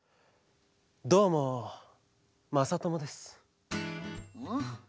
どうもまさともです。